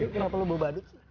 kenapa lo bebadut